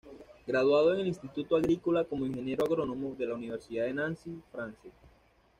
Graduado en el Instituto Agrícola como ingeniero agrónomo, de la Universidad de Nancy, Francia.